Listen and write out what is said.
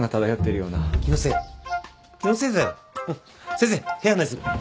先生部屋案内する。